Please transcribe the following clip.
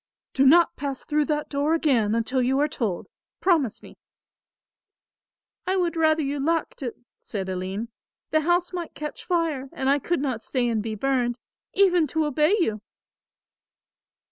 "Do not pass through that door again, until you are told. Promise me." "I would rather you locked it," said Aline. "The house might catch fire and I could not stay and be burned, even to obey you."